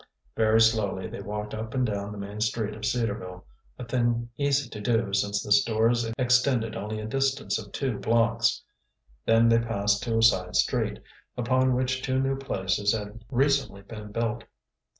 Very slowly they walked up and down the main street of Cedarville, a thing easy to do, since the stores extended only a distance of two blocks. Then they passed to a side street, upon which two new places had recently been built.